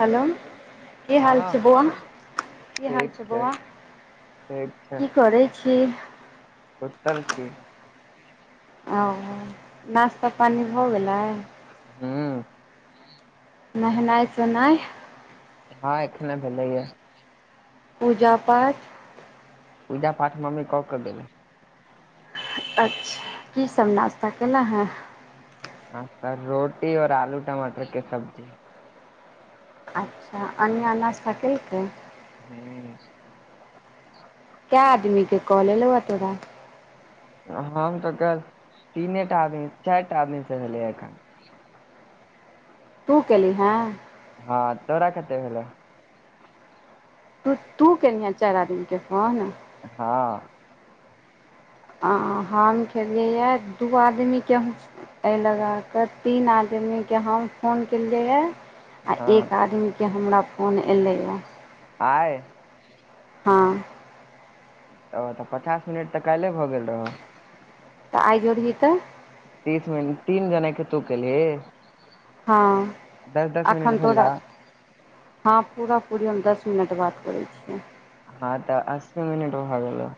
Hello, की हँ हाल हँ छै बौआ? कि हाल छै बौआ? ठीक छै। कीर सुतल छी ओ नास्ता पानी भऽ गेलै हँ नेहनाई सुनाई हँ एखने भेलैया पूजा पाठ पूजा पाठ मम्मी कऽ केऽ गेलै अच्छा की सब नाास्ता केना है नास्ता रोटी आओर आलू टमाटर के सब्जी अच्छा अन्ना नशता केलकै हूँ क्ये आदमी के कॉल एलौय तोरा हम तऽ तीने टा आदमी चारि टा आदमी से भेलिय एखन तू केली हँ हँ तोरा कते भेलै तू तू केनिहे चारि आदमीके फोन हँ ह हम खेलियैए दू आदमीके एहि लगा कऽ तीन आदमीकेँ हम फोन केलियैए आ हँ एक आदमीके हमरा फोन अलैए आय हँ ओ तऽ पचास मिनट तऽ काल्हि भऽ गेल रहौ ऽ आईजोड़ ही तऽ तीस मिनट तीन जने के तू केलही हँ दस दस मिनट अखन भेलौ तोड़ा हँ पूरा पूरी हम दस मिनट बात करै छियै हँ तऽ अस्सी मिनट भगेलो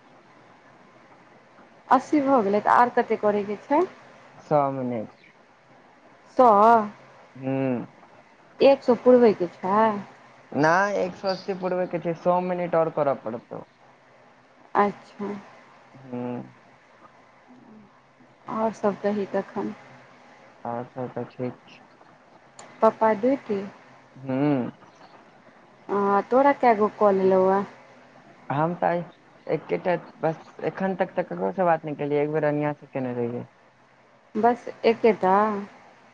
अस्सी भऽ गेलै तऽ आर कतेक करैके छै सौ मिनीट सौ ह्म एक सौ पूर्वे के छै नहि एक सौ अस्सी पूरबे के छै सौ मिनट और करऽ पड़तौ अच्छा हु [unintelligible] ओर सब कही तखन ओर सब त ठीक छै पप्पा डूटी ह आ तोरा केगो कॉल एलोय हमम त आय एकेटा बस एखन तक तऽ ककरो से बात न केलियै एक बेर अनिया से केने रहियै बस एकेटाऽ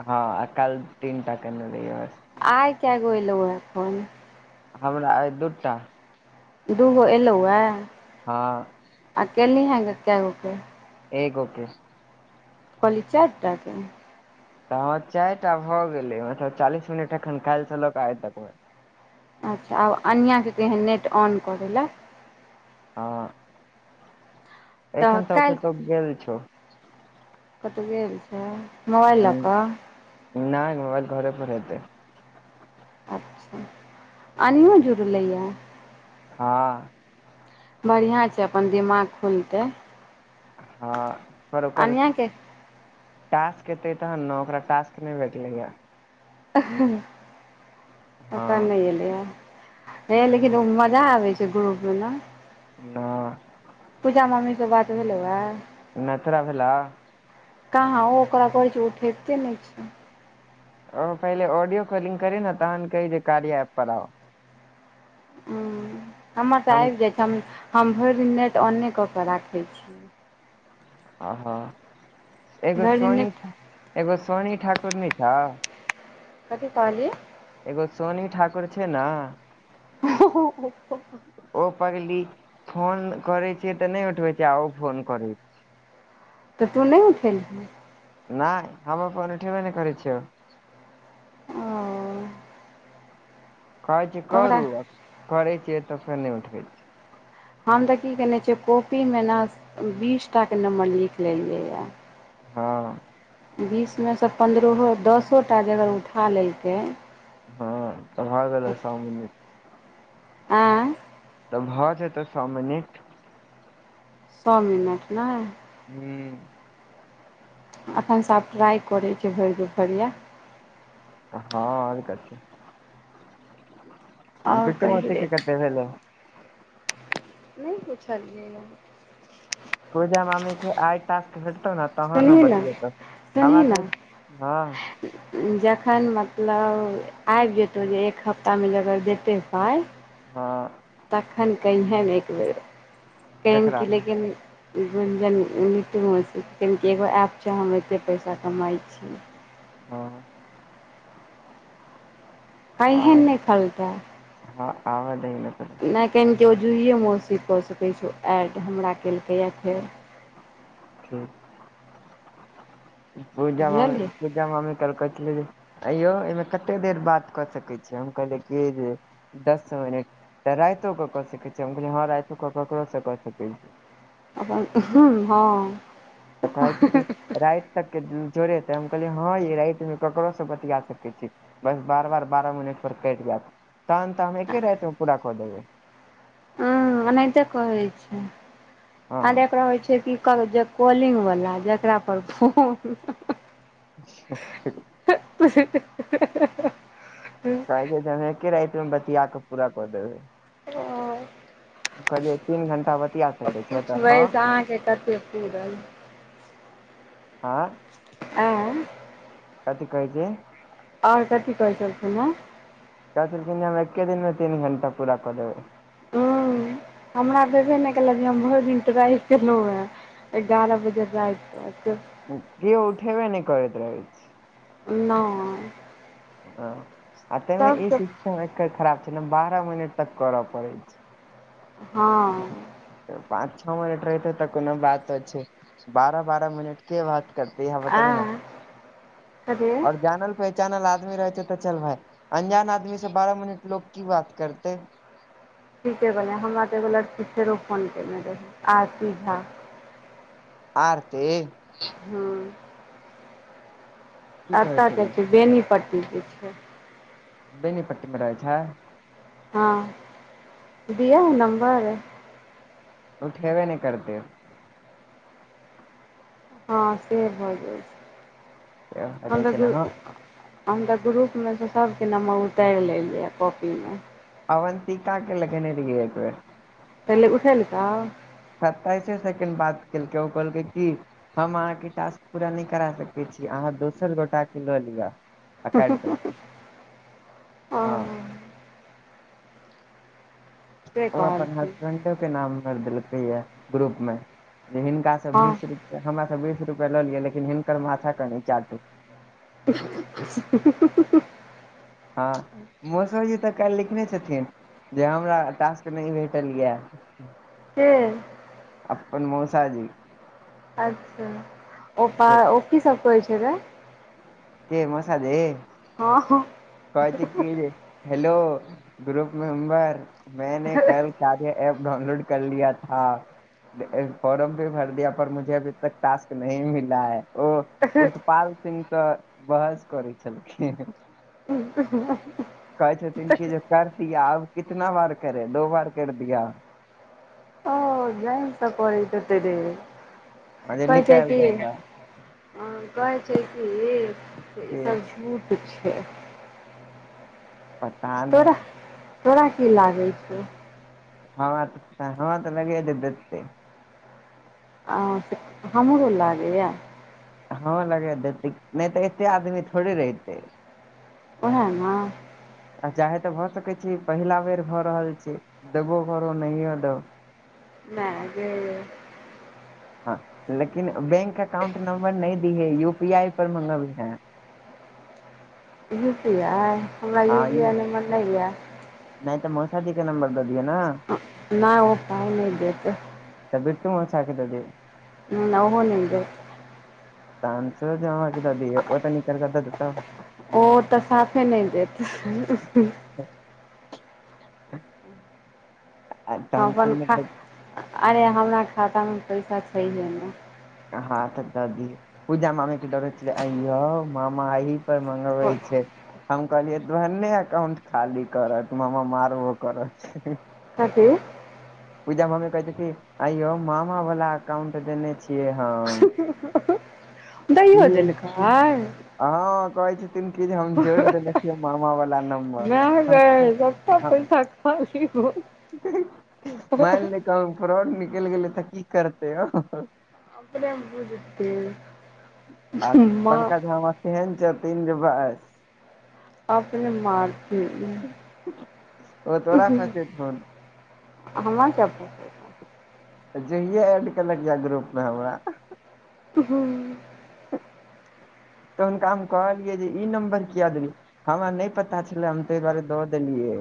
हँ आ काल तीन टा केने रहियै बस आय केगो एलोय फोन हमरा अइ दू टा दूगो एयलहुँ हए हँ अ केलही ह कैगो के एगो के कहली चारि टा के तऽ ह चारि टा भऽ गेलै मतलब चालीस मिनट एखन काल्हिसँ लऽक आय तक मे अच्छा आब अनिआँके कैहन नेट ऑन को द‌एले हँ एखन तऽ कतौ गेल छौ कतौऽ गेल छै मोबाइल ह ल क नहि मोबाइल घरे पर हेतै अच्छा आनिओ हूँ, जुड़लैय हँ बढ़िया छै अपन दिमाग खुलतै हँ पर ओकर अनियाके टास्क एतै तहन न ओकरा टास्क नहि भेटलैय हँ ओकर नहि एलैए ह लेकिन ओ मजा आबै छै ग्रुप मे न नहि पूजा मम्मी स बात भेलौ आ नहि तोरा भेलौ कहाँ ओ ओकरा कहै छै ओ उठबते नहि छै ओ पहिले ऑडियो काॅलिंग करी न तहन कही जे कार्या एप पर आउ हमर तऽ हम आबि जाय छै हम भरि दिन नेट ऑने कऽ कऽ राखै छी ओ एगो भरि दिन सोनी नेट एगो सोनी ठाकुर नै छौ कथी कहली एगो सोनी ठाकुर छै न [unintelligible] ओ पगली फोन करै छिय तऽ नहि उठबै छै आ ओ फोन करै तऽ तू नहि उठेलिही नहि हम अपन उठेबे नहि करै छियौ ओ कहै छिय ओकरा करू करै छियै तऽ फेर नहि उठबै छै हम तऽ की केने छियै कॉपी मे न बीस टाके नम्बर लिख लेलियै यऽ हँ बीसमे सँ पन्द्रहो दसो टा जे अगर उठा लेलकै हँ भ ल गेलै तऽ आँय तऽ भऽ जेतै स मिनिट स मिनट नहि हू अखनसँ आब ट्राइ करै छियै भरि दुपहरिया ह आओर कथि आओर बिटु कही मौसी रे के कते भेल नहि पुछलियै या पूजा मामी के आय टास्क भटतौ ने तहन ओ सुनही ने बतियेतौ सुनही हमरा कहा ने हँ जखन मतलब आइब जेतौ जे एक हफ्ता मे जगर देतै पाइ हँ तखन कहिहँ एक बेेर कह ककरा कि लेकिन ऐप छै हम एतेक पैसा कमाइ छी हँ कहिए आब नहि फलतै हँ आबा दही न त नहि कहियन कि ओ जूही मौसी कऽ सकै छै एड हमरा केलकैए फेर ठीक पूजा मामी बुझलिही पूजा पूजा मामी कहै कि आंय यो एहिमे कते देर बात कऽ सकै छीय हम कहलीय कि जे दस मिनट तऽ रातो कऽ सकै छी हम कहलियै हँ रातओ कऽ ककरोसँ कऽ सकै छी अपन हँ तऽ कहि छी की राति तक के जोड़ेतै हम कहलै हँ ई राति मे ककरो से बतिया सकै छी बस बार बार बारह मिनट पर कटि जायत तहन तऽ हम एके रातिमे पूरा कऽ देबै हँ एनाहिते कहैत छै आर रहैत छै की कर कॉलिंग वला जेकरापर फोन [inaudible] [unintelligible] कायके जनके राति मे बतियाक पूराक देै [unintelligible] ओ तीन घंटा बतिया सकै छै तऽ पुछबैसे अहाँके कते पूरल आँ आँय कथी कहै छी आओर कथी कहै छलखिन है कहै छलखिन जे हम एके दिन मे तीन घंटा पूरा कऽ देबै हूं हमरा भेबे नहि केलै जे हम भर दिन ट्राइ केलै है एगारह बजे राति तक कियो उठेेबे ने नहि करैत रह‌ै नय हँ आ ताहिमे ई शिक्षा एकर खराब छै ने बारह मिनट तक करय पड़ैत छै हँ पाँच छओ मिनट रहितै तऽ कोनो बात छै बारह बारह मिनट के बात करतेै य बताबे ने आँय कथी आऔर जानल पहिचानल आदमी रहै छै तऽ चल भाय अनजान आदमी से बारह मिनट लोक की बात करते ठीके बलआ हमरा तऽ एगो लड़की फेरो फोन कने रही आरती झा आरती है की कहै एता के छलै छै बेनीपट्टी के छै बेनीपट्टी मे रहै छै हँ दियै नम्बर उठेबे नहि करतै हँ से भऽ जाय छै हम कहै तऽ छै दुर न हम तऽ ग्रुपमे सँ सभके नम्बर उतारि लेलियै ये कॉपीमे अवंतिका के लगेने रहियै एक बेर पहिले उठैेल तऽ सत्ताइसे सेकेंड बात केलकै ओ कहलकै की हम अहाँके टास्क पूरा नहि करा सकैत छी अहाँ दोसर गोटाके लऽ लिअ आ काटि दैलकै ओ हँ से ओ अपन कहलखिन हसबेंडो के नाम भरि देलकै य ग्रुप मे जे हिनका हँ बीस रुपया हमरासँ बीस रुपया लऽ लियै लेकिन हिनकर माथा कनी चाटू [unintelligible] हँ मौसो जी तऽ काल्हि लिखने छथिन जे हमरा टास्क नहि भेटल यऽ के अपन मोसाजी अच्छा ओ पा जे ओ की सब कहै छले के मौसाजी हँ हँ कहै छै की जे हेलो ग्रुप मेम्बर मैंने कल जादे ऐप डाउनलोड कर लिया था। फोर्म भे भर दिया पर मुझे अभी तक टास्क नहि मिला है [unintelligible] ओ उतपाल सिंह तऽ बहस करै छलखिन। [unintelligible] कहै छथिन की जे कर दिया अब कितना बार करे दो बार कर दिया। ओ जेनकऽ कोड़टत दे जे कह छै निकालि की दे हमरा आ कहै छै कि के ईसभ झूठ छै। पता नहि तोरा तोरा की लागै छौ? हमरा तऽ हमरा तऽ लगे देते हमरो लागैए। हँ, लगा देतै नहि तऽ एते आदमी थोड़े रहितै। ओहा ने। आ चाहे तऽ भऽ सकैत छी पहिला बेर भऽ रहल छै। देबो करो नहियो दौ मेय गेल [unintelligible] हँ, लेकिन बैंक अकाउंट नंबर नहि दी है यू पी आई पर मंगबैय हैं। यू पी आई हमरा यू हँ पी यौ आई नम्बर नहि य। नहि तऽ मोसाजीके नंबर दऽ दियए ने। नहि ओ पाइ नहि देतै। तऽ दट मौसा द देहि न आहो देते छै तखन सूरज मामाके दे देब, ओ तऽ निकालि देत। ओ तऽ साफे नहि देत ठीक [unintelligible] अपन खा अरे हमरा खातामे पैसा छैहे ने। हँ, तऽ द दिहे पूजा मामी क डरै अइ मामा आइ मंगलबै छै। हम कहलियै तोह ने अकाउंट खाली करत ता मामा मारबो करत। कथि? पूजा मामी कहे छै। कि अयो मामा वाला एककाउंट देने छियै हम। ई दैयो देलकैइ। हँ, कहै छी। कहलखिन हम जोड़ि देने छियै मामा वाला नम्बर ह [unintelligible] मेन लियो फ्रॉड निकलि गेलै तऽ की करते अपने बुझते। आ पंकज मामा तेहन छथिन जे बस। अपने मारती ओ तोरा फसेथुन हमर चबू। तऽ जहिये एड केलक ग्रुप मे हमरा हूँ। तऽ हुनका हम कहलियै जे ई नम्बर किया देलिये। हमरा नहि पता छलै हम तऽ दऽ देलियै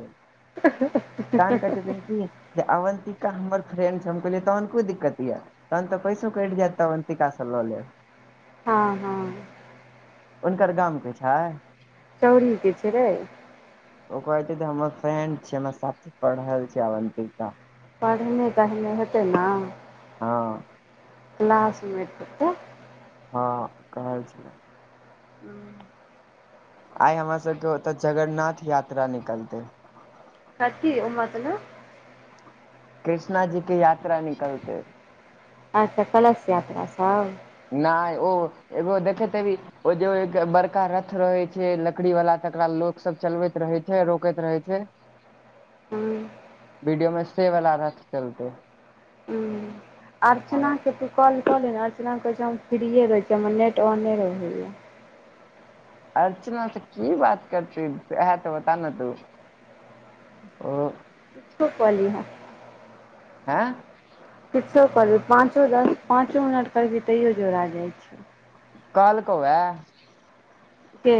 तहन कहै छै की जे अवन्तिका हमर फ्रेंड छीये तहन कोइ दिक्कत यऽ। तहन तऽ पैसो कटि जायत अरवान्तिका से लियै हँ हँ हुनकर गामके छै? चौरीके छै रै। ओ कहै छै त हमर फ्रेंड छी हमर साथी पढ़ल छी अवन्तिका। पढ़ने तढ़ने हेतै ने हँ क्लास मैट हतो हँ कहै छलय हु आइ हमरा सभ के ओत जगरनाथ यात्रा निकलतै कथि उ मतलब कृष्णा जी के यात्रा निकलते आइ त कलश यात्रा छब नहि ओ एगो देखतबी हेभी ओ जे एक बड़का रथ रहे छै लकड़ी वाला तकरा लोक सब चलबैत रहे छै रोकैत रहे छै [inaudible] वीडियो में से वाला रथ चलते अर्चना के तू कॉल कऽ ले न अर्चना कहे छै हम फ्रीए रहे छी हमर नेट ऑने रहैया अर्चना से की बात करतीे सेहा तऽ बता न तू ओ किछो काइ लिहाई आँ किछो कायलिहई पांचो दस पांचो मिनट करि तैयो जोड़ा जाइ छै काहैलक है के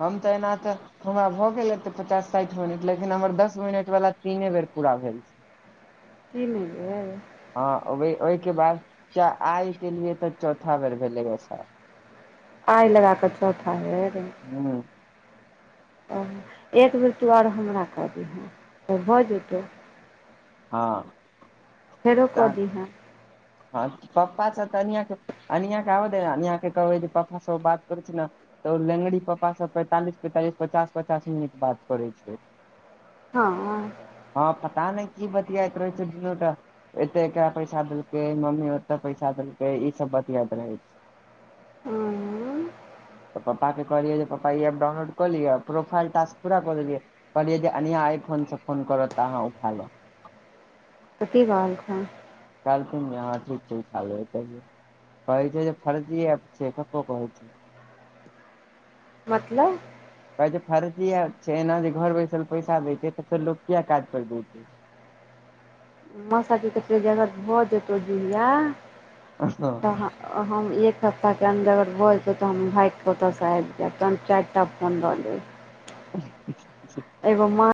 हम तऽ एना तऽ हमरा भऽ गेलै तऽ पचास साठि मिनट लेकिन हमर दस मिनट वाला तीने बेर पूरा भेल तीने बेर हँ ओहिके बाद आइ केलिए तऽ चौथा बेर भेलै या शयद आइ लगा क चौथा बेर हू त एक बेर तू आओरो हमरा कऽ दिहे तऽ भऽ जेतौ हँ फेरो कऽ तऽ दिहे हँ पप्पा तऽ अनया के अनया आबै दही जे पप्पा से बात करै छै ने तऽ लेंगड़ी पापा से पैंतालीस पैंतालीस पचास पचास मिनट बात करै छै हँ हँ पता नहि की बतियात रहै छै दुनू टा एते एकरा पैसा देलकै मम्मी ओते पैसा देलकै ई सब बतियात रहै छै हू उ तऽ पपाके कहलियै जे पपा ई एफ डाउनलोड कऽ लिय प्रोफाइल टास्क पुरा क देलये कहलियै जे अनिआ आइ फोन सँ फोन करत त आहाँ उठा लेब त की कहलखुन कहलखिन हँ ठीक छै उठा लेबै कहियो कहै छै जे फर्जी एफ छै कको कहै छै मतलब कहै छै फर्जी एफ छै एना जे घर बैसल पैसा द‌ए छै तऽ फेर लोक किया काज पर जेतै मौसा जी कड तऽ फेर जे अगर भऽ जेतहु जयाह हँ तऽ हम एक सप्ताह के अन्दर अगर भऽ जेतै तऽ हम भागके ओतऽसँ आब जायब तन चार तब फोन रहलेब [unintelligible] एगे म